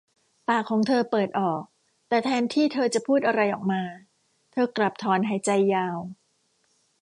ปากของเธอเปิดออก แต่แทนที่เธอจะพูดอะไรออกมา เธอกลับถอนหายใจยาว